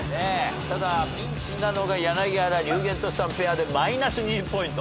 ただピンチなのが柳原龍玄としさんペアでマイナス２０ポイント。